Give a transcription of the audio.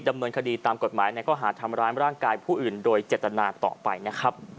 ดำเนินคดีตามกฎหมายในข้อหาทำร้ายร่างกายผู้อื่นโดยเจตนาต่อไปนะครับ